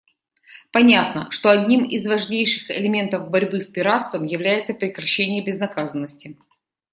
Понятно, что одним из важнейших элементов борьбы с пиратством является прекращение безнаказанности.